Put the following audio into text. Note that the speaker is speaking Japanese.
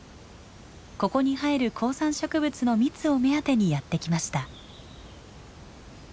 ここに生える高山植物の蜜を目当てにやって来ました。